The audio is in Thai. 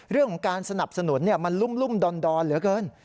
เรื่องของการสนับสนุนมันรุ่มดอนเหลือเกิน